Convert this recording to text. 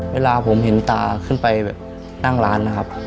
เวลาผมเห็นตาขึ้นไปแบบนั่งร้านนะครับ